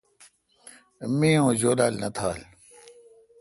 می اوں جولال نہ تھال۔